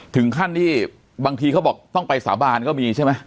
ถึงขั้นที่บางทีเขาบอกต้องไปสาบานก็มีใช่ไหม